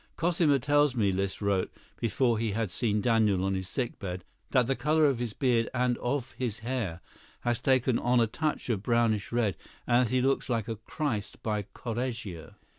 "Cosima tells me," Liszt wrote, before he had seen Daniel on his sick bed, "that the color of his beard and of his hair has taken on a touch of brownish red, and that he looks like a Christ by Correggio."